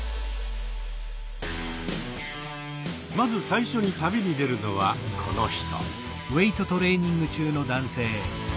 まず最初に旅に出るのはこの人。